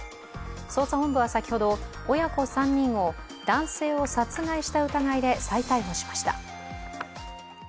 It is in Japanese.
捜査本部は先ほど親子３人を男性を殺害した疑いで再逮捕しました。